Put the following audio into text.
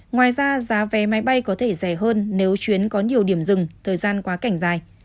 ngoài ra giá vé máy bay có thể rẻ hơn nếu chuyến có nhiều điểm dừng thời gian quá cảnh dài